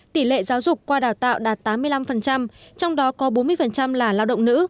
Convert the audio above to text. tỷ lệ giáo dục qua đào tạo đạt tám mươi năm trong đó có bốn mươi là lao động nữ